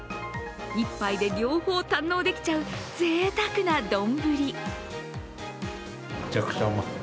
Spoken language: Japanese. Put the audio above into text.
一杯で両方堪能できちゃうぜいたくな丼。